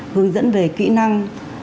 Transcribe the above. hướng dẫn về kỹ năng